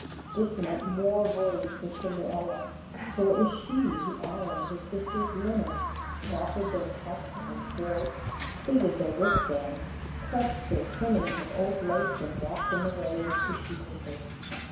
This meant more worry for Cinderella, for it was she who ironed her sisters' linen, goffered their tucks and frills, pleated their wristbands, pressed their trimmings of old lace and wrapped them away in tissue paper.